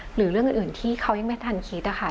หรือเรื่องอื่นที่เขายังไม่ทันคิดนะคะ